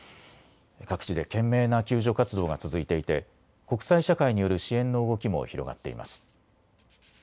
各地で懸命な救助活動が続いていて国際社会による支援の動きも広がっています。